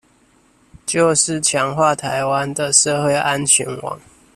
就是強化臺灣的社會安全網